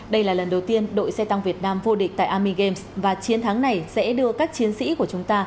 đây là lần đầu tiên đội xe tăng việt nam vô địch tại army games và chiến thắng này sẽ đưa các chiến sĩ của chúng ta